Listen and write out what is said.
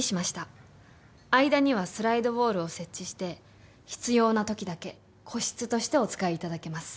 間にはスライドウォールを設置して必要なときだけ個室としてお使いいただけます。